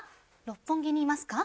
六本木にいますか？